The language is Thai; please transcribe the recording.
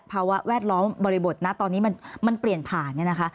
ภาวะแวดล้อมบริบทณะตอนนี้มันเปลี่ยนผ่าน